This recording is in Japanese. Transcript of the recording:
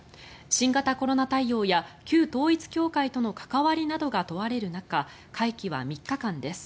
新型コロナ対応や旧統一教会との関わりなどが問われる中会期は３日間です。